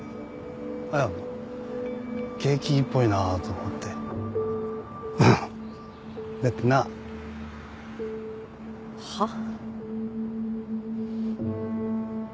いや景気いいっぽいなと思ってうんだってなはあ？